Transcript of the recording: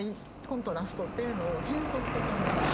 コントラストっていうのを変則的に出す。